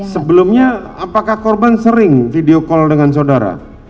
sebelumnya apakah korban sering video call dengan saudara